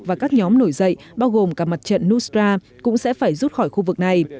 và các nhóm nổi dậy bao gồm cả mặt trận nusra cũng sẽ phải rút khỏi khu vực này